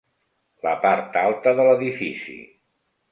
La part alta de l'edifici.